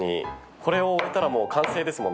これを終えたらもう完成ですもんね？